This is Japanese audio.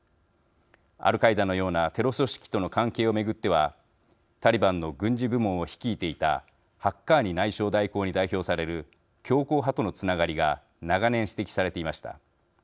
アルカイダのようなテロ組織との関係を巡ってはタリバンの軍事部門を率いていたハッカーニ内相代行に代表される強硬派とのつながりが長年指摘されていました。